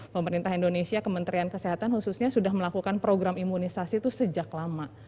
pemerintah indonesia kementerian kesehatan khususnya sudah melakukan program imunisasi itu sejak lama